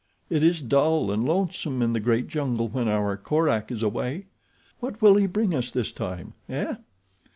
It is dull and lonesome in the great jungle when our Korak is away. What will he bring us this time, eh?